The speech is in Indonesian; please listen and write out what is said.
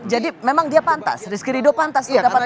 jadi memang dia pantas rizky ridot pantas mendapatkan kartu merah